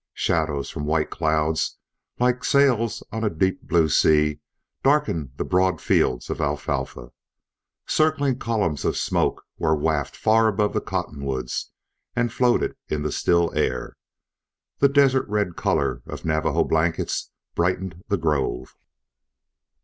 Shadows from white clouds, like sails on a deep blue sea, darkened the broad fields of alfalfa. Circling columns of smoke were wafted far above the cottonwoods and floated in the still air. The desert red color of Navajo blankets brightened the grove.